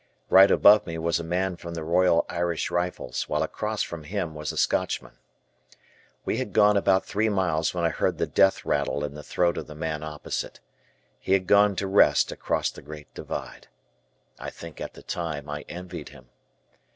Right above me was a man from the Royal Irish Rifles, while across from him was a Scotchman. We had gone about three miles when I heard the death rattle in the throat of the man opposite. He had gone to rest across the Great Divide. I think at the time I envied him.